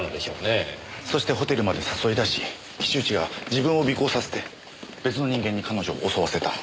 そしてホテルまで誘い出し岸内が自分を尾行させて別の人間に彼女を襲わせた。